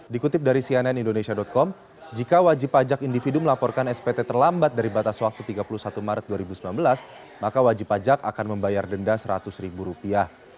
dikutip dari cnn indonesia com jika wajib pajak individu melaporkan spt terlambat dari batas waktu tiga puluh satu maret dua ribu sembilan belas maka wajib pajak akan membayar denda seratus ribu rupiah